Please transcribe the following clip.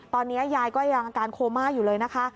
ตอนนี้ยายก็ยังอาการโคม่าอยู่เลยนะคะ